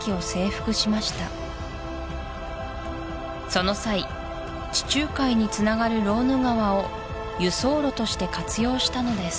その際地中海につながるローヌ川を輸送路として活用したのです